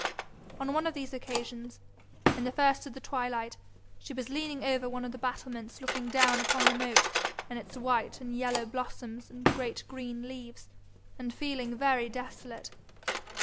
On one of these occasions, in the first of the twilight, she was leaning over one of the battlements looking down upon the moat and its white and yellow blossoms and great green leaves, and feeling very desolate.